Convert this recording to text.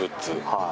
はい。